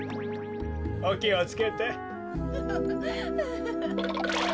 おきをつけて。